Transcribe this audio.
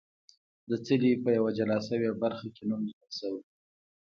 د څلي په یوه جلا شوې برخه کې نوم لیکل شوی.